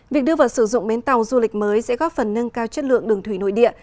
việc đưa vào sử dụng bến tàu du lịch mới sẽ góp phần nâng cao chất lượng đường thủy nội địa